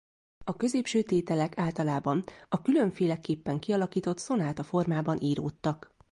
A középső tételek általában a különféleképpen kialakított szonátaformában íródtak.